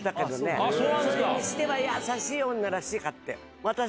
それにしては、優しい、女らしかった。